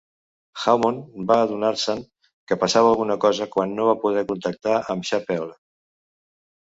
Hammond va adonar-se'n que passava alguna cosa quan no va poder contactar amb Chappelle.